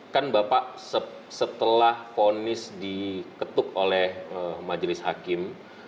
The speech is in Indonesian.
kan bapak setelah ponis diketuk oleh majelis hakim